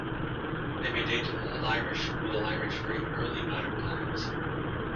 They may date to Old Irish, Middle Irish or even early modern times.